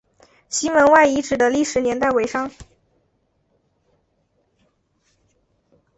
西门外遗址的历史年代为商。